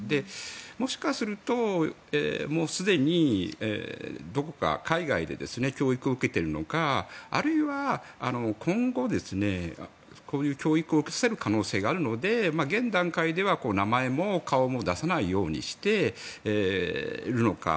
もしかするともうすでに、どこか海外で教育を受けているのかあるいは今後、こういう教育を受けさせる可能性があるので現段階では、名前も顔も出さないようにしているのか。